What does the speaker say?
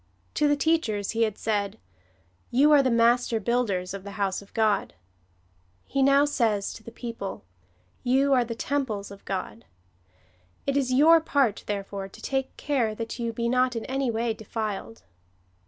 To the teachers he had said, " You are the master builders of the house of God." He now says to the people, " You are the temples of God. It is your part, therefore, to take care that you be not in any way defiled."